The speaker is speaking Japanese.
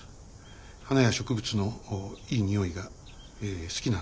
花や植物のいい匂いがええ好きなんです。